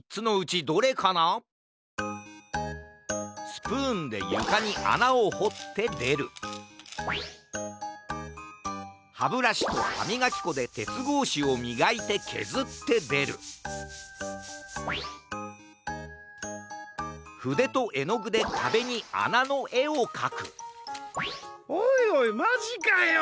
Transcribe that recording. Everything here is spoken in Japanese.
スプーンでゆかにあなをほってでるはブラシとはみがきこでてつごうしをみがいてけずってでるふでとえのぐでかべにあなのえをかくおいおいマジかよ！